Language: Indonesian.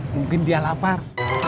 mungkin dia lapar